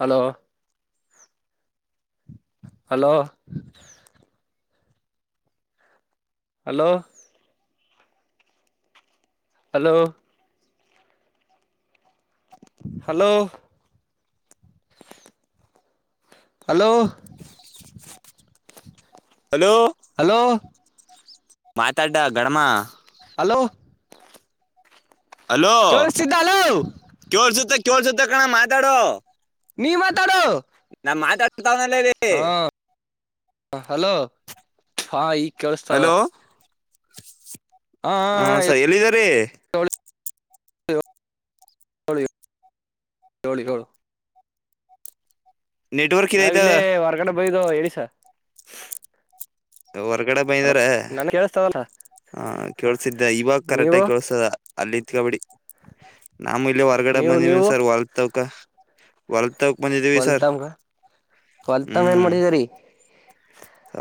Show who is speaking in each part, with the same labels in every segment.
Speaker 1: Hello hello hello hello hello. Hello.
Speaker 2: Hello.
Speaker 1: Hello
Speaker 2: ಮಾತಾಡ್ಡ ಗಡಮ
Speaker 1: hello.
Speaker 2: Hello
Speaker 1: ಕೇಳಿಸ್ತಿದ್ದ hello
Speaker 2: ಕೇಳ್ ಸುತ್ತ ಕೇಳ್ ಸುತ್ತ ಕಣ ಮಾತಾಡೋ.
Speaker 1: ನೀ ಮಾತಾಡುಯೋ.
Speaker 2: ನಾ ಮಾತಾಡ್ತಾವನಲ್ಲೀ.
Speaker 1: ಹಲೋ ಹಾ ಈಗ ಕೇಳಸ್ತಾವ.
Speaker 2: ಹಲೋ ಹ ಸರಿ ಎಲ್ಲಿದ್ದಾರೆ.
Speaker 1: ಏಳು ಹಳಿ ಹಳಿ ಹಳು.
Speaker 2: ನೆಟ್ವರ್ಕ್
Speaker 1: ನಾವ
Speaker 2: ಇದೈತ
Speaker 1: ಇಲ್ಲೇ ಹೊರ್ಗಡೆ ಬಯದು ಹೇಳಿ ಸ.
Speaker 2: ಹೊರ್ಗಡೆ ಬೈಂದಾರ.
Speaker 1: ನನ್ಗೆ ಕೇಳಿಸ್ತದಲ್ಲ.
Speaker 2: ಹ ಕೇಳ್ಸಿದ್ದೆ ಇವಾಗ ಕರೆಕ್ಟ್ಗ ಕೇಳ್ಸದ ಅಲ್ಲಿತ್ ಕಬಡಿ. ನಾಮ ಇಲ್ಲಿ ಹೊರ್ಗಡೆ
Speaker 1: ನೀವು ನೀವು
Speaker 2: ಬಂದಿವನ್ ಸರ್ ವಲ್ತವಕ. ಹೊರ ತಕ ಬಂದಿದ್ದೀವಿ ಸರ್
Speaker 1: ಹೊಲ್ತಮ್ಗ ಹೊಲ್ತಮ್ ಏನ್
Speaker 2: ಹ್ಮ್.
Speaker 1: ಮಾಡಿದೀರಿ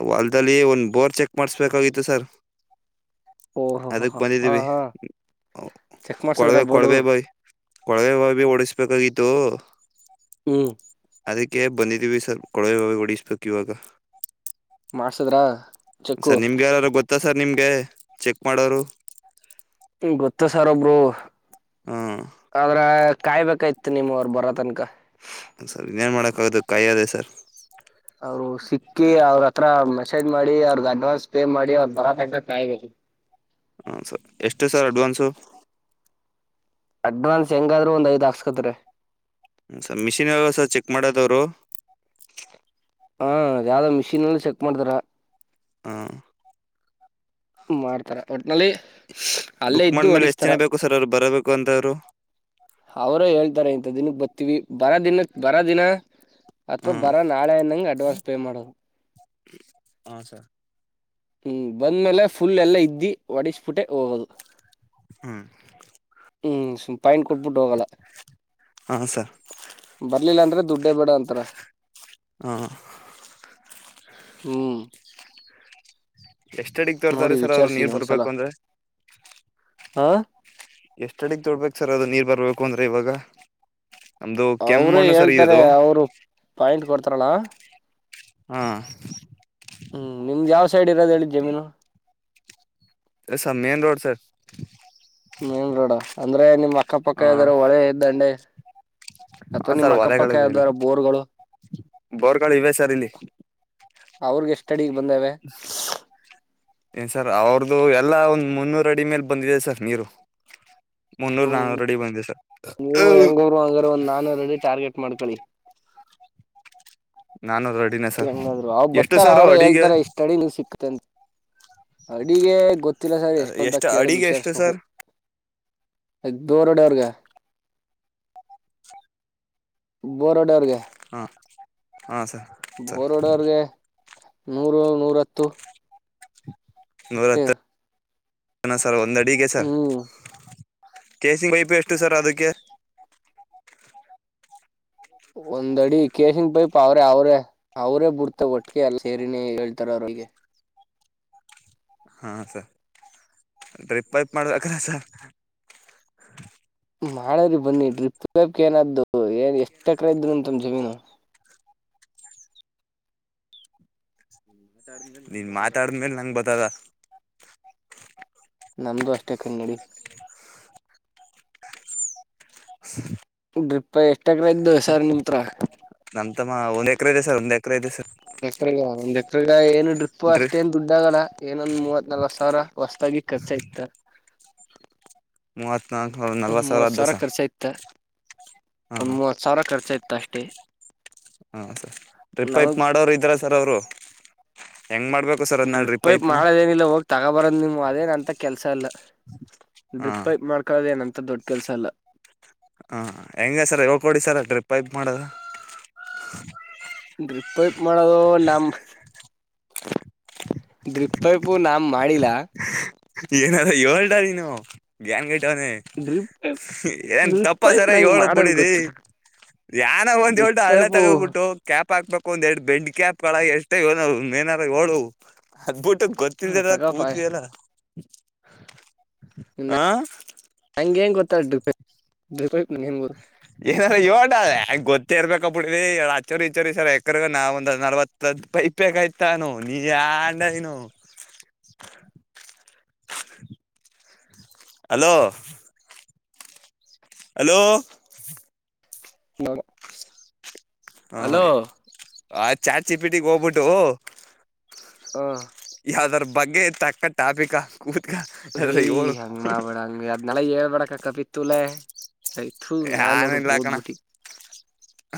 Speaker 2: ವಲ್ದಲ್ಲಿ ಒಂದ ಬೋರ್ ಚೆಕ್ ಮಾಡ್ಸ್ಬೇಕಾಗಿತ್ತು ಸರ್.
Speaker 1: ಓಹೋ ಹ
Speaker 2: ಅದಕ್
Speaker 1: ಹಾ
Speaker 2: ಬಂದಿದೀವಿ
Speaker 1: ಹಾ ಚೆಕ್ ಮಾಡ್ಸದ್ರ
Speaker 2: ಕೊಡ್ವೆ
Speaker 1: ಬೋರು
Speaker 2: ಕೊಡ್ವೆ ಬೈ. ಕೊಳವೆ ಬಬಿ ಓಡಿಸ್ಬೇಕಾಗಿತ್ತು.
Speaker 1: ಹ್ಮ್.
Speaker 2: ಅದಕ್ಕೆ ಬಂದಿದೀವಿ ಸರ್ ಕೊಳವೆ ಹೊಡಿಸ್ಬೇಕು ಇವಾಗ.
Speaker 1: ಮಾಡ್ಸದ್ರಾ.
Speaker 2: ಸರ್ ನಿಮ್ಗೆ ಯಲ್ಲಾರೂ ಗೊತ್ತಾ ಸರ್ ನಿಮ್ಗೆ ಚೆಕ್ ಮಾಡೋರು.
Speaker 1: ಗೊತ್ತ ಸರ್ ಒಬ್ರು.
Speaker 2: ಹ್ಮ್.
Speaker 1: ಆದ್ರ ಕಾಯ್ಬೇಕಾಯ್ತ್ ನಿಮ ಅವರು ಬರೋ ತನಕ.
Speaker 2: ಸರ್ ಇನ್ನೇನು ಮಾಡೋಕ್ಕಾಗೋದು ಕಾಯಿದೆ ಸರ್.
Speaker 1: ಅವರು ಸಿಕ್ಕಿ ಅವ್ರ ಹತ್ರ ಮೆಸೇಜ್ ಮಾಡಿ ಅವ್ರದ ಅಡ್ವಾನ್ಸ್ ಪೇ ಮಾಡಿ ಅವ್ರ ಬರತ್ತನ ಕಾಯಬೇಕ
Speaker 2: ಹಾ ಸರ್ ಎಷ್ಟು ಸರ್ ಅಡ್ವಾನ್ಸು
Speaker 1: ಅಡ್ವಾನ್ಸ್ ಹೆಂಗಾದ್ರರು ಒಂದ ಐದು ಹಾಕಿಸುತ್ತಾರೆ
Speaker 2: ಹ ಸರ್ ಮಿಷಿನ್ ಅಲ್ವಾ ಸರ್ ಚೆಕ್ ಮಾಡೋದು ಅವರು
Speaker 1: ಹಾ ಯಾವ್ದೋ ಮಿಷೀನ್ ಅಲ್ಲಿ ಚೆಕ್ ಮಾಡ್ತಾರ
Speaker 2: ಹೂ
Speaker 1: ಮಾಡ್ತಾರೆ ಒಟ್ನಲ್ಲಿ ಅಲ್ಲೇ
Speaker 2: ಬುಕ್
Speaker 1: ಇದ್ದು
Speaker 2: ಮಾಡ್ಮೇಲೆ ಎಷ್ಟು
Speaker 1: ಹೊಡಿಸ್ತಾರ
Speaker 2: ಜನ ಬೇಕು ಸರ್ ಅವ್ರು ಬರಬೇಕು ಅಂತ ಅವ್ರು
Speaker 1: ಅವರೇ ಹೇಳ್ತಾರೆ ಇಂಥ ದಿನಕ್ಕೆ ಬರ್ತೀವಿ ಬರ ದಿನ ಬರ ದಿನಾ ಅಥವಾ
Speaker 2: ಹಾಂ
Speaker 1: ಬರ ನಾಳೆಏನಂಗ ಅಡ್ವಾನ್ಸ್ ಪೇ ಮಾಡೋದು
Speaker 2: ಹಾ ಸರ್
Speaker 1: ಹ್ಮ್ ಬಂದ್ಮೇಲೆ ಫುಲ್ ಎಲ್ಲಾ ಇದ್ದಿ ಒಡಸ್ ಬಿಟ್ಟೆ ಹೋಗದು
Speaker 2: ಹ್ಞೂ
Speaker 1: ಹ್ಮ್ ಸುಮ ಫೈನ್ ಕೊಟ್ಬಿಟ್ಟು ಹೋಗಲ್ಲ
Speaker 2: ಹಾಂ ಸರ್
Speaker 1: ಬರ್ಲಿಲ್ಲ ಅಂದ್ರೆ ದುಡ್ಡೇ ಬೇಡಾ ಅಂತಾರೆ
Speaker 2: ಹ
Speaker 1: ಹ್ಮ್
Speaker 2: ಎಷ್ಟ್ ಅಡಿಗಿ ತೋರ್ತಾರೆ ಸರ್ ಅವ್ರ ನೀರ್ ಬರ್ಬೇಕು ಅಂದ್ರೆ
Speaker 1: ಹಾ
Speaker 2: ಎಷ್ಟ ಅಡಿ ತೊಡ್ಬೇಕು ಸರ್ ಅದು ನೀರ್ ಬರ್ಬೇಕು ಅಂದ್ರೆ ಇವಾಗ ನಮ್ಮದು
Speaker 1: ಅವರೇ
Speaker 2: ಕೆಮ್ಮಣ್ಣು ಸರ್
Speaker 1: ಹೇಳ್ತಾರೆ
Speaker 2: ಇದು
Speaker 1: ಅವರು ಪಾಯಿಂಟ್ ಕೊಡತಾರಲ್
Speaker 2: ಹಾಂ
Speaker 1: ಹ್ಮ್ ನಿಮ್ದು ಯಾವ ಸೈಡ್ ಇರೋದ ಹೇಳಿ ಜಮೀನು.
Speaker 2: Sir main road sir.
Speaker 1: Main road ಅಂದ್ರೆ ನಿಮ್ ಅಕ್ಕ ಪಕ್ಕ
Speaker 2: ಹಾಂ
Speaker 1: ಇದಾರ ಹೋಳೆ ದಂಡೆ ಅಥವಾ
Speaker 2: ಹಾಂ
Speaker 1: ನಿಮ್ಮ್ ಅಕ್ಕಪಕ್ಕ ಯಾವುದಾದರೂ ಬೋರ್ಗಳು.
Speaker 2: ಬೋರ್ಗಗಳು ಇವೆ ಸರ್ ಇಲ್ಲಿ.
Speaker 1: ಅವ್ರಿಗೆ ಎಷ್ಟುಅಡಿಗೆ ಬಂದಾವೆ.
Speaker 2: ಏನ್ ಸರ್ ಅವ್ರ್ದು ಎಲ್ಲ ಒಂದ್ ಮುನ್ನೂರು ಅಡಿ ಮೇಲೆ ಬಂದಿದೆ ಸರ್ ನೀರು. ಮುನ್ನೂರ ನಾನೂರು ಅಡಿ ಬಂದಿದೆ ಸರ್
Speaker 1: ಅವರು ಹಂಗ್ರ ಒಂದು ನಾನುರೂ ಅಡಿ ಟಾರ್ಗೆಟ್ ಮಾಡ್ಕೊಳ್ಳಿ.
Speaker 2: ನಾನು ರೆಡಿನೆ
Speaker 1: ಹೆಂಗಾದ್ರು ಅವ್ ಬರ್ತಾರ ಅವ್ರ ಹೇಳ್ತಾರ ಇಷ್ಟ ಅಡಿ ನೀರ ಸಿಕ್ತ ಅಂತ. ಅಡಿಗೆ ಗೊತ್ತಿಲ್ಲ ಸರ್ ಎಷ್ಟ ಅಂತ
Speaker 2: ಎಷ್ಟು
Speaker 1: ಕೇಳ
Speaker 2: ಅಡಿಗೆ
Speaker 1: ವಿಚಾರಸ
Speaker 2: ಎಷ್ಟು
Speaker 1: ಬೇಕು.
Speaker 2: ಸರ್
Speaker 1: ಬೋರ್ ಹೋಡಯವರಿಗೆ ಬೋರ ಹೋಡವರ್ಗೆ.
Speaker 2: ಹಾ ಹಾ ಸರ್. ಸರ್
Speaker 1: ಬೋರ್ ಹೊಡೆಯ ಅವ್ರಗೆ ನೂರು ನೂರ ಹತ್ತು.
Speaker 2: ನೂರ ಹತ್ತು ಸರ್ ಒಂದ ಅಡಿಗೆ ಸರ್.
Speaker 1: ಹ್ಮ್
Speaker 2: ಕೇಸಿಂಗ್ ಪೈಪು ಎಷ್ಟು ಸರ್ ಅದಕ್ಕೆ.
Speaker 1: ಒಂದ್ ಅಡಿ ಕೇಶನ್ ಪೈಪ ಅವ್ರೆ ಅವ್ರೇ. ಅವ್ರೇ ಬಿಡ್ತ ಒಟ್ಟಿಗೆ ಎಲ್ಲ ಸೇರಿನ ಹೇಳ್ತಾರ ಅವ್ರಿಗೆ.
Speaker 2: ಹಾಂ ಸರ್ ಡ್ರಿಪ್ ಪೈಪ್ ಮಾಡ್ಬೇಕ್ರ ಸರ್.
Speaker 1: ಮಾಡ್ರರಿ ಬನ್ನಿ ಡ್ರಿಪ್ ವ್ಯಾಪ್ ಏನಾದ್ದು ಏನ್ ಎಷ್ಟ ಎಕ್ರ ಇದ್ರರು ಉಂತಮ ಜಮೀನು. [unintelligible] ಹ್ಮ
Speaker 2: ನೀನ್ ಮಾತಾಡ್ಮೇಲೆ ನಂಗ್ ಬತದ.
Speaker 1: ನಮ್ದು ಅಷ್ಟೇ ಕನ್ನಡಿ ಡ್ರಿಪ್ ಎಷ್ಟಕ್ರ ಇದ್ದು ಸರ್ ನಿತ್ರ
Speaker 2: ನಮ ತಮ್ಮ ಒಂದ್ ಎಕರೆ ಇದೆ ಸರ್ ಒಂದ್ ಎಕರೆ ಇದೆ ಸರ್
Speaker 1: ಎಗ ಒಂದ್ ಎತ್ರಗ ಏನು ಡ್ರಿಪ್ು
Speaker 2: ಡ್ರಿ
Speaker 1: ಅಷ್ಟೆಂತ ದುಡ್ಡಗಳ ಏನೊಂದ್ ಮೂವತ್ ನಲ್ ಸಾವಿರ ಹೊಸತಾಗಿ ಖರ್ಚ ಇತ್ತ
Speaker 2: ಮೂ ಅತ್ನ
Speaker 1: ಒ ಮೂವತ್ ಸಾವಿರ ಖರ್ಚು ಆಯ್ತ
Speaker 2: ಹಾ
Speaker 1: ಒ
Speaker 2: ಹಾ
Speaker 1: ಮೂವತ್ ಸಾವಿರ ಖರ್ಚ ಆಯ್ತ ಅಷ್ಟೇ
Speaker 2: ಹಾ ಸರ್ ರಿಪೈಪ್
Speaker 1: ನಮಗ್
Speaker 2: ಮಾಡೋರು ಇದ್ರ ಸರ್ ಅವರು ಹೆಂಗ್ ಮಾಡ್ಬೇಕು ಸರ್ ಅದನ್ನ
Speaker 1: ್ರೀ
Speaker 2: ಡ್ರಿಪ್
Speaker 1: ಪೈಪ್
Speaker 2: ಪೈಪ್ನ
Speaker 1: ಮಾಡದೇನಿಲ್ಲ ಹೋಗ ತಗೋ ಬರದ್ ನಿಮ ಅದೇನಂತ ಕೆಲ್ಸ ಅಲ್ಲ
Speaker 2: ಹಾ
Speaker 1: ಡ್ರಿಪ್ೈಪ್ ಮಾಡ್ಕೊಳ್ಳದ ಏನಂತ ದೊಡ್ಡ ಕೆಲ್ಸ ಅಲ್ಲ
Speaker 2: ಹಾಂ ಹೆಂಗೆ ಸರ್ ಹೇಳ್ಕೊಡಿ ಸರ್ ಟ್ರಿಪ್ೈ ಮಾಡೋದು
Speaker 1: ಡ್ರಿಪ್ ವೈಪ್ ಮಾಡೋದು ನಮ ಡ್ರೈಪೈಪ್ ನಾಮ ಮಾಡಡಿಲ್ಲಾ
Speaker 2: ಏನಾದ ಏಳ್ಟನು ಗ್ಯಾನ್ ಗಟ್ಟವನನೆ
Speaker 1: ಡ್ರಿಪ್ ಪೈಪ್
Speaker 2: ಏನ್
Speaker 1: ಡ್ರಿಪ್
Speaker 2: ತಪ್ಪ
Speaker 1: ಪೈಪ್
Speaker 2: ಸರ
Speaker 1: ನಂಗ್
Speaker 2: ಹೇಳಏ
Speaker 1: ಮಾಡೋದ್
Speaker 2: ಬಿಡಿದಿ
Speaker 1: ಗೊತ್ತಿಲ್ಲ
Speaker 2: ಯಾನ ಬಂದ
Speaker 1: ಡ್ರಿಪ್
Speaker 2: ಹೇಳ್ಟ್ಟು ಹಳ್ಳೆ
Speaker 1: ಪೈಪು
Speaker 2: ತಗದ್ಬಿಟ್ಟು ಕ್ಯಾಪ್ ಹಾಕ್ಬೇಕು ಒಂದ್ ಎರಡ್ ಬೆಂಡ್ ಕ್ಯಾಪ್ಗಳ ಎಷ್ಟಏ ಮೇನಾರ ೋಳು ಅದ್ಬಿಟ್ಟ
Speaker 1: ಹ
Speaker 2: ಗೊತ್ತಿದ
Speaker 1: ತಗಪ
Speaker 2: ಕೂತಿಯಲ್ಲ ಆ
Speaker 1: ಹಂಗ ಂಗ ಗೊತ್ತಾ್ರ ್ರಿ ನ್
Speaker 2: ಏನಾರ ಇ ಗೊತ್ತಿರ್ಬೇಕ ಬಿಡ ಆಚೋರಿ ಇಚೋರಿ ಸರ್ ಎಕ್ರಗ ನ ಒಂದ ನಲ್ವತ್ ದ ಪೈಪಗಯ್ತಾನೋ ನೀ ಯಾ ಅಂಡೈನು
Speaker 1: ಹ
Speaker 2: ಅಲೋ ಹಲೋ
Speaker 1: ನ
Speaker 2: ಹಾ ಆ ಚಾಟ ಜಿಪಿಟಿಗೆ ಹೋಗ್ಬಿಟ್ಟು
Speaker 1: ಆಂ
Speaker 2: ಯಾವ್ದಾರ ಬಗ್ಗೆ ತಕ್ಕ ಟಾಪಿಕಾ ಕೂತ್ಕ ಏಳು
Speaker 1: ನಳಗ್ ಹೇಳ್ಬಾಡಕ್ಕ ಕಪಿತ್ುಲ ಕತ್ ನಾನ್ ನೋಡು
Speaker 2: ಏನಿಲ್ಲ ಕಣ
Speaker 1: ಬೋದ್ಬುಟ್ಟಿ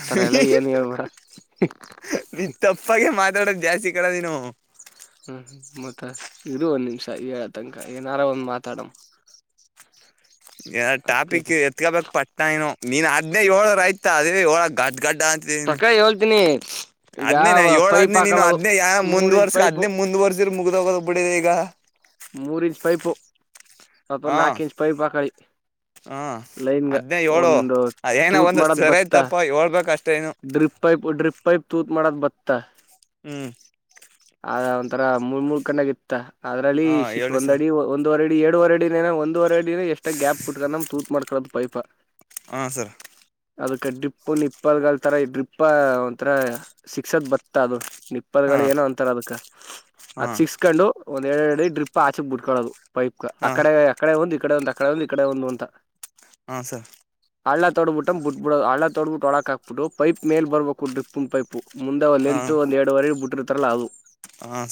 Speaker 1: ತರ ಎಲ್ಲ ಏನ್ ಹೇಳ್ಬೇಡ
Speaker 2: ತಪ್ಪಾಗ ಮಾತಾಡೋದು ಜಾಸ್ತಿ ಕಡ ನೀನು
Speaker 1: ಹ್ಮ್ ಮತ್ತ ಇರ ಒಂದ ನಿಮಿಷ ಏ ತನಕ ಏನಾರ ಒಂದು್ ಮಾತಾಡಂ
Speaker 2: ಯಾರ
Speaker 1: ಅದ್ಕೆ
Speaker 2: ಟಾಪಿಕ್ ಎತ್ಕೋಬೇಕಕ್ ಪಟ್ಟ ನು ನೀನ್ ಅದ್ೇ ಏಳರು ಆಯತ ಅದೇ ಏಳ ಗದಡ್ ಗಡ್ಡ ಅಂತ ೇನು
Speaker 1: ತಕ ಹೇಳ್ತೀನಿ ಈಗ
Speaker 2: ಅದ್ನೇ ನ
Speaker 1: ಪೈಪ್
Speaker 2: ಏಳುದ್ನೇ ನೀನು
Speaker 1: ಹಾಕಳದು
Speaker 2: ಅದ್ನೇ ಯ ಮುಂದ
Speaker 1: ಮೂರ್ ಇಂಚ್
Speaker 2: ವರ್ಷ
Speaker 1: ಪೈಪು
Speaker 2: ಅದ್ನೇ ಮುಂದ್ುವರ್ಷ ಮುಗ್ದೋಗೋದ್ ಬಿಡಿದೆ ಈಗ
Speaker 1: ಮೂರ್ ಇಂಚ್ ಪೈಪ್ು ಅವಾ
Speaker 2: ಹಾ
Speaker 1: ನಾಕು ಇಂಚ್ ಪೈಪ್ ಆಾಕಳಿ
Speaker 2: ಹಾ
Speaker 1: ಲೈನ್ಗ
Speaker 2: ಅದ್ನೇ ಏಳು
Speaker 1: ಒಂದು
Speaker 2: ಏನೋ
Speaker 1: ತೂತ್
Speaker 2: ಒಂದು
Speaker 1: ಮಾಡದ
Speaker 2: ಸರಿ
Speaker 1: ಬತ್ತ
Speaker 2: ತಪ್ಪ ಹೇಳ್ಬೇಕಷ್ಟೇ ಏನು
Speaker 1: ಡ್ರಿಪ್ ಪೈಪ್ ಡ್ರಿಪ್ ಪೈಪ್ ತೂತ್ ಮಾಡದ ಬತ್ತಾ
Speaker 2: ಹ್ಮ್
Speaker 1: ಆದ ಒಂಥರ ಮೂಳ್ ಮೂಳ್ ಕಣ್ಣಗ ಇತ್ತ ಅದ್ರಲ್ಲಿ
Speaker 2: ಹಾ
Speaker 1: ಶಶ
Speaker 2: ಹೇಳಿ ಸರ್
Speaker 1: ಒಂದಡಿ ಒಂದು ಒ ವರಡಿ ಎರಡು ವರೆಡಿನ ಒಂದ ವರೆಡಿನ ಎಷ್ಟ ಗ್ಯಾಪ್ ಪುಟ್ಕೊಂಡ ನಮ್ ತೂತ್ ಮಾಡಕೋದ ಪೈಪ
Speaker 2: ಹಾಂ ಸರ್
Speaker 1: ಅದಕ್ಕೆ ಡಿಿಪ್ಪು ನಿಪ್ಪಲ್ಗಲ್ತರ ್ರಿಪ್ಪಾ ಒಂಥರ ಶಿಕ್ಷತ್ ಬತ್ತಾದ್ರರು ನಿಪ್ಪತ್ಗಳು
Speaker 2: ಹಾಂ
Speaker 1: ಏನೋ ಅಂತಾರ ಅದ ಅದ
Speaker 2: ಹಾಂ
Speaker 1: ಸಿಕ್ಸ್ಕೊಂಡು ಒಂದ್ ಎರಡ್ ಎರಡಿ ಡ್ರಿಪ್ ಆಚಕ್ ಬಿಡ್ಕಳೋದು ಪೈಪ್
Speaker 2: ಹಾಂ
Speaker 1: ಅಡೆ ಅಡೆ ಒಂದು ಇಕಡೆ ಒ ಅಡೆ ಒಂದು ಇಕಡೆ ಒಂದು ಅಂತ
Speaker 2: ಹ ಸರ್
Speaker 1: ಹಳ್ಳ ತೊಬಿಟ್ಟ ಬಿಟ್ಬಿಡ ಹಳ್ಳ ತೊಬಿಟ್ಟು ಒಳಕ್ ಹಾಕ್ಬಿು ಪೈ ಮೇಲ್ ಬರ್ಬೇಕು ಡ್ರಿನ್ ಪೈು ಮುಂದೆ ಒಂದ್
Speaker 2: ಹಾಂ
Speaker 1: ಲೆಂತ್ ಒಂದ್ ಎರಡುವರೆ ಬಿಟ್ಟಿರ್ತಾರಲ್ಲ ಅದು
Speaker 2: ಹಾಂ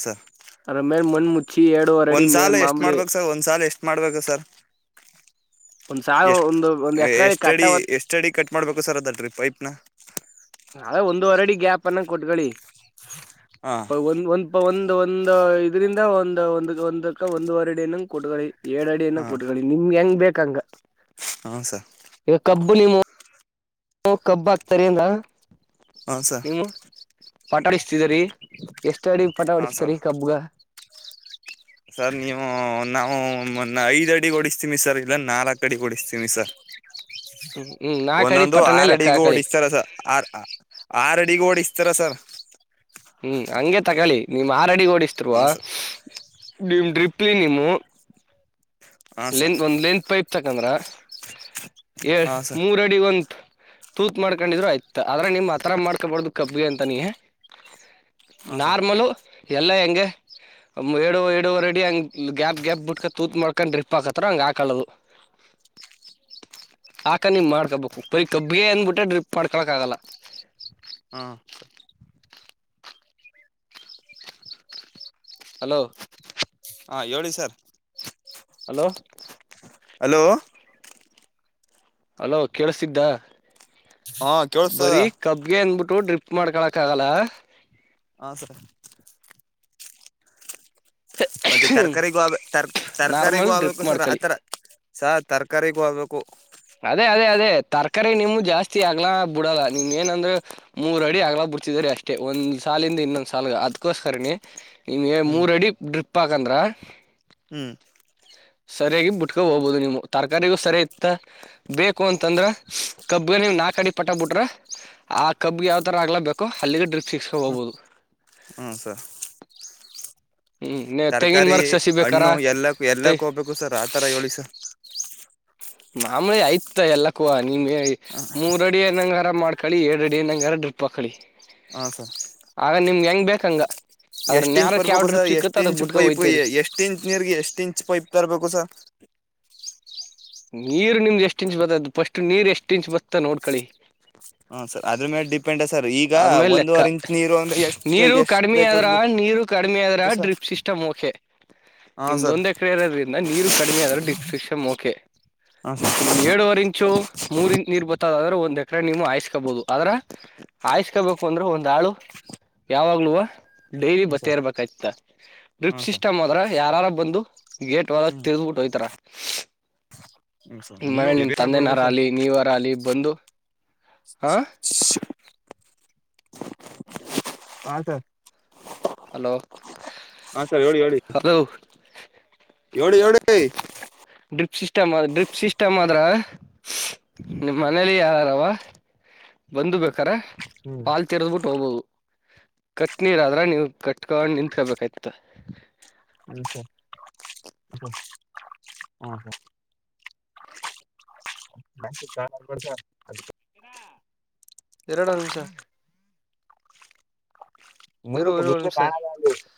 Speaker 1: ಅದ್ರ ಮೇಲೆ ಮಣ್ ಮುಚ್ಚ
Speaker 2: ಒಂದ್ಸಾಲ ಎಷ್ಟ್ ಮಾಡ್ಬೇಕು ಸರ್ ಒಂದ್ ಸಾಲ ಎಷ್ಟ್ ಮಾಡ್ಬೇಕು ಸರ್
Speaker 1: ಒಂದ್ ಸಾವ
Speaker 2: ಎಷ್ಟ
Speaker 1: ಒಂದು ಒಂದ್ ಎಕರೆ
Speaker 2: ಎಷ್ಟ ಅಡಿ
Speaker 1: ಕಟ್ಟವತ್
Speaker 2: ಎಷ್ಟ ಅಡಿ ಕಟ್ ಮಾಡ್ಬೇಕು ಸರ್ ಅದಾದಿ ಪೈಪ್ನ
Speaker 1: ಅದ ಒಂದುವರಡಿ ಗ್ಯಾಪ್ ಅನ್ನ ಕೊಟ್ಕೊಳ್ಳಿ
Speaker 2: ಹ
Speaker 1: ಒಂದ ಒಂದಪ ಒಂದ ಒಂದ ಇದರಿಂದ ಒಂದ ಒಂದ ಒಂದಕ್ಕ ಒಂದ್ ವರ್ಡಿನಂಗ್ ಕೊಟ್ಕಿ ಏಳ್ ಅಡಿಯನ
Speaker 2: ಹಾ
Speaker 1: ಕೊಟ್ಕೊಳ್ಳಿ ನಿಮ್ಗೆ ಹೆಂಗ್ ಬೇಕಂಗ
Speaker 2: ಹೌ ಸರ್
Speaker 1: ಈಗ ಕಬ್ಬು ನೀವು ಕಬ್ಬು ಹಾಕ್ತರಿ ಅಂದ
Speaker 2: ಹಾ ಸರ್
Speaker 1: ನೀವು ಪಟಡಿಸ್ತಿದರಿೀ ಎಷ್ಟ ಅಡಿ ಪಟ
Speaker 2: ಹಾ ಸರ್
Speaker 1: ಆಡಿಸ್ತಾರಿೀ ಕಬ್ಗ
Speaker 2: ಸರ್ ನೀವು ನಾವು ಐದ್ ಅಡಿ ಡಿಸ್ತೀವಿಿ ಸರ್ ಇಲ್ಲ ನಾಲ್ಕ್ು ಅಡಿ ಡಿಸ್ತೀವಿಿ ಸರ್
Speaker 1: ಹ್ಮ್ ಹ್ಮ್ ನಾಕ್ ಅಡಿ
Speaker 2: ಒಂದೊಂದು
Speaker 1: ಪಟನೇ ಲೆಕ್ಕ
Speaker 2: ಆರಡಿಗೂ
Speaker 1: ಹಾಕಳಿ
Speaker 2: ಓಡಿಿಸ್ತಾರಸ ಆರ್ ಆರ್ಡಿಿಗೆ ಓಡಿಸ್ತಾರ ಸರ್
Speaker 1: ಹ್ಮ್ ಹಂಗೆ ತಗೊಳ್ಳಿ ನೀವು್ ಆರಡಿ ಓಡಿಸ್ತಿರುವ
Speaker 2: ಹಾ ಸರ್
Speaker 1: ನಿಮ್ ಡ್ರಿಪ್ಲಿ ನಿಮ್ಮ
Speaker 2: ಹಾ ಸರ್
Speaker 1: ಲೆಂತ್ ಒಂದ್ ಲೆಂತ್ ಪೈಪ್ ತಕಂದ್ರ
Speaker 2: ಹಾ ಸರ್
Speaker 1: ಮೂರ ಅಡಿ ಒಂದ ತೂತ್ ಮಾಡ್ಕೊಂಡಿದ್ರು ಆಯ್ತ ಆದ್ರೆ ನಿಮ್ ಆತರ ಮಾಡ್ಕೊಬಾರ್ದು ಕಬ್ಬಗೆ ಅಂತ ನೀ
Speaker 2: ಹಾ ಸರ್
Speaker 1: ನಾರ್ಮಲು ಎಲ್ಲ ಹೆಂಗಗೆ ಏಡು ಏಡುವರೆ ಅಡಿ ಹಂಗ್ ಗ್ಯಾಪ್ ಗ್ಯಾಪ್ ಬಿಟ್ಕ ತೂತ್ ಮಾಡ ಅಕ್ಕಂಡ ್ರಿಪ್ ಪಾಕ ಹತ್ರ ಹಂಗ ಹಾೊಳ್ಳೋದು ಆಕ ನೀ್ ಮಾಡ್ಕಬಬೇಕು ಪರಿ ಕಬ್ಬಗೆೇ ಅಂದಬಿಟ್ಟೆ ಡ್ರಿಪ್ ಮಾಡ್ಕೊಕಕ್ಾಗಲ್ಲ
Speaker 2: ಹ್ಮ
Speaker 1: ಹಲೋ
Speaker 2: ಹಾ ಹೇಳಿ ಸರ್
Speaker 1: ಹಲೋ
Speaker 2: ಹಲೋ
Speaker 1: ಅಲೋ ಕೇಳಿಸ್ತಿದ್ದ
Speaker 2: ಹಾ ಕೇೇಳಸ್ತದ
Speaker 1: ಕಬ್ಗೆ ಅಂದಬಿಟ್ಟು ಡ್ರಿಪ್ ಮಾಡ್ಕೊಳಕ್ ಆಗಲ್ಲ
Speaker 2: ಹಾ ಸರಿ ಮತ್ತೆ ತರಕಾರಿಗೂ ಆರ್ ತರಕಾರಿಗೂ
Speaker 1: ನಾರ್ಮಲ್ ಡ್ರಿಪ್
Speaker 2: ಆಗ್ಬೇಕು ಸರ್
Speaker 1: ಮಾಡ್ಕಳಿ
Speaker 2: ಆತರ ಸಹ ತರಕಗ್ ಹೋಗ್ಬೇಕು
Speaker 1: ಅದೇ ಅದೇ ಅದೇ ತರಕಾರಿ ನಿಮು ಜಾಸ್ತಿ ಆಗ್ಲಾ ಬಿಡಲ್ಲ ನಿಮ ಏನಂದ್ರ ಮೂರ ಅಡಿ ಅಗ್ಲ ಬರ್ತಿದ್ರೀ ಅಷ್ಟೇ ಒಂದ್ ಸಾಲಿಂದ ಇನ್ನೊಂದ್ ಸಾಲ ಅದಕೋಸ್ಕರನಿ ನಿಮ್ಗೆ
Speaker 2: ಹ್ಮ್
Speaker 1: ಮೂರ ಅಡಿ ಡ್ರಿಪ್ ಹಾಕಂದ್ರ
Speaker 2: ಹ್ಮ್
Speaker 1: ಸರಿಯಾಗಿ ಬಿಟ್ಕೊಂಡ ಹೋಗಬಹುದು ನೀವು ತರಕಾರಿಗೂ ಸರಿಯ ಇತ್ತ ಬೇಕು ಅಂತಂದ್ರ ಕಬ್ಬ ನೀವ್ ನಾಕಕ್ ಅಡಿ ಪಟ ಬಿಟ್ರ ಆ ಕಬ್ಬಿಗೆ ಯಾವ ತರ ಅಗ್ಲಾ ಬೇಕೋ ಅಲ್ಲಿಗೆ ಡ್ರಿಪ್ ಸಿಕ್ಕಸಬಹುದು
Speaker 2: ಹ್ ಸರ್
Speaker 1: ಹ್ಮ್ ತೆಂಗಿನ
Speaker 2: ತರಕಾರಿ
Speaker 1: ಮರಕ್ ಸಸಿ ಬೇಕಾರ
Speaker 2: ಹಣ್ಣು ಎಲ್ಲಕ್ಕೂ
Speaker 1: ತೆ
Speaker 2: ಎಲ್ಲಕ್ಕ ಹೋಗ್ಬೇಕು ಸರ್ ಆ ಥರಾ ಹೇಳಿ ಸರ್
Speaker 1: ಮಾಮೂಲಿ ಆಯ್ತ ಎಲ್ಲ ಕೂ ನೀಮ ಮೂರ್ ಅಡಿ ಎನಂಗ ಹಾರ ಮಾಡ್ಕಳಿ ಎರಡ್ ಅಡಿ ನಂಗ ಹಾರ ಡ್ರಿಪ್ ಹಾಕೋಳಿ
Speaker 2: ಹಾ ಸರ್
Speaker 1: ಆಗ ನಿಮ್ ಹೆಂಗ್ ಬೇಕಂಗ ಅದ್ರ
Speaker 2: ಎಷ್ಟ್ ಇಂಚ್
Speaker 1: ನ್ಯಾರಕ್ ಯಾವ
Speaker 2: ಬರ್ಬೇಕು ಸರ್
Speaker 1: ಡ್ರಿಪ್ ಸಿಕ್ಕತ್
Speaker 2: ಎಷ್ಟ್
Speaker 1: ಅದ
Speaker 2: ಇಂಚ್
Speaker 1: ಬಿಟ್ಕ
Speaker 2: ಪೈಪ್
Speaker 1: ಹೋಯ್ತೇರಿ
Speaker 2: ಎಷ್ಟ ಎಷ್ಟ ಇಂಚ್ ನೀರ್ಗೆ ಎಷ್ಟು ಇಂಚ್ ಪೈಪ್ ತರಬೇಕು ಸರ್
Speaker 1: ನೀರ್ ನಿಮ್ದು ಎಷ್ಟ ಇಂಚ್ ಬರತ್ತದು ಫಸ್ಟ್ ನೀರ್ ಎಷ್ಟು ಇಂಚ್ ಬತ್ತಾ ನೋಡ್ಕಳಿ
Speaker 2: ಹ ಸರ್ ಅದ್ರ ಮೇಲೆ ಡಿ
Speaker 1: ಆಮೇಲೆ ಲೆಕ್ಕ
Speaker 2: ಅಂದ್ರೆ ಎಷ್ಟು
Speaker 1: ನೀರು
Speaker 2: ಎಷ್ಟ್
Speaker 1: ಕಡಿಮೆ ಆದ್ರ
Speaker 2: ಬೇಕಾಗುತ್ತೆ
Speaker 1: ನೀರು ಕಡಿಮೆ ಆದ್ರ ಡ್ರಿಪ್ ಸಿ ಇಷ್ಟಮೋಖೆ
Speaker 2: ಹಾಂ ಸರ್
Speaker 1: [unintelligible] ನೀರು ಕಡಿಮೆ ಆದರೆ ಡಿಸ್ಟ್ರಿಪ್ಷನ್ ಓಕೆ
Speaker 2: ಹಾ ಸರ್
Speaker 1: ನಿಮ್ಗೆ ಏಳುವರ್ ಇಂಚು ಮೂರ್ ಇಂಚು ನೀರ್ ಬತ್ತದಾದ್ರೆ ಒಂದ್ ಎಕ್ರ ನೀವು ಹಾಯಿಸಸ್ಕೋಬಹುದು ಆದ್ರ ಆಯಸ್ಕೋಬೇಕು ಅಂದ್ರ ಒಂದ್ ಆಳು ಯಾವಾಗ್ಲೂವ ಡೈಲಿ
Speaker 2: ಹ್ಮ
Speaker 1: ಬತ್ತ
Speaker 2: ಸರ್
Speaker 1: ಇರ್ಬೇಕಯ್ತ
Speaker 2: ಹಾ
Speaker 1: ಡ್ರಿಪ್
Speaker 2: ಸರ್
Speaker 1: ಸಿಸ್ಟಮ್ ಆದ್ರ ಯಾರ ಬಂದು ಗೇಟ್ ವ
Speaker 2: ಹ್ಮ್
Speaker 1: ತಿರುಗಿಸಿ ಬೀಟ್ ಹೋಯ್ತಾರ
Speaker 2: ಹ್ಮ ಸರ್
Speaker 1: ನಿ
Speaker 2: ನೀವು
Speaker 1: ಮನೆಲಿ ನಿಮ್
Speaker 2: ಬೇಕಾಗ್ಬಾರ್ದು ಸರ್
Speaker 1: ತಂದೆನರಲಿ ನೀವರ ಆಗಲಿ ಬಂದು ಹಾ
Speaker 2: ಸ
Speaker 1: ಹ
Speaker 2: ಹಾ ಸರ್
Speaker 1: ಹಲೋ
Speaker 2: ಹಾ ಸರ್ ಹೇಳಿ ಹೇಳಿ
Speaker 1: ಹಲೋ
Speaker 2: ಹೇಳಿ ಹೇಳಿ
Speaker 1: ಡ್ರಿಪ್ ಸಿಸ್ಟಮ್ ಅ ಡ್ರಿಪ್ ಸಿಸ್ಟಮ್ ಆದ್ರೆ ನಿಮ್ ಮನೇಲಿ ಯಾರಾರವಾ ಬಂದು ಬೇಕಾರ
Speaker 2: ಹ್ಮ್
Speaker 1: ವಾಲ್ ತಿರ್ದ್ಬಿಟ್ಟು ಹೋಗಬಹುದು ಕಟ್ ನೀರ್ ಆದ್ರ ನೀವು ಕಟ್ಕು ನಿಂತ್ಕೋಬೇಕಾಯತ
Speaker 2: [inaudible] [inaudible]
Speaker 1: ಎಡಾ ಎರಡು ನಿಮಿಷ
Speaker 2: ಮುಂದ
Speaker 1: ಇರು
Speaker 2: ಬತ್
Speaker 1: ಇರು ನಿಮಿಷ
Speaker 2: [unintelligible]